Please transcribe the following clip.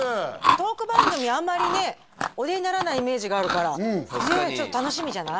トーク番組あんまりねお出にならないイメージがあるから確かにねえちょっと楽しみじゃない？